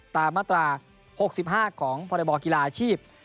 ตามมาตรา๖๕ของพรบกีฬาอาชีพ